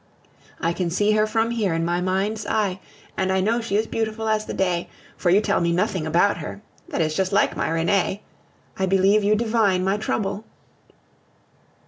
I can see her from here in my mind's eye, and I know she is beautiful as the day, for you tell me nothing about her that is just like my Renee! I believe you divine my trouble.